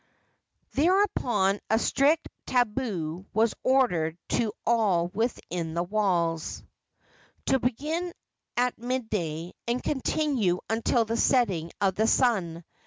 Thereupon a strict tabu was ordered to all within the walls, to begin at midday and continue until the setting of the sun.